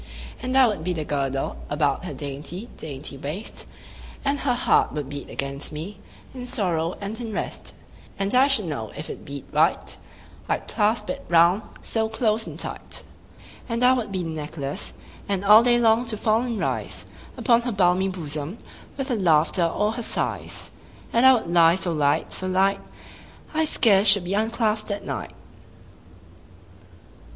And I would be the girdle About her dainty dainty waist, And her heart would beat against me, In sorrow and in rest: 10 And I should know if it beat right, I'd clasp it round so close and tight. And I would be the necklace, And all day long to fall and rise Upon her balmy bosom, 15 With her laughter or her sighs: And I would lie so light, so light, I scarce should be unclasp'd at night.